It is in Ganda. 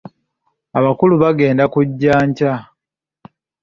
Abakulu bagenda kuggya nkya.